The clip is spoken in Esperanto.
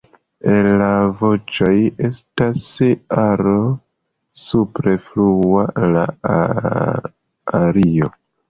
El la voĉoj estas aro supre flua la ario.